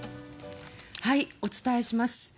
はい、お伝えします。